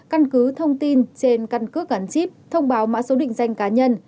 căn cứ thông tin trên căn cước gắn chip thông báo mã số định danh cá nhân